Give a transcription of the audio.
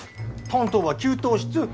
担当は給湯室。